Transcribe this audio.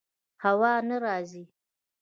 هوا نه راځي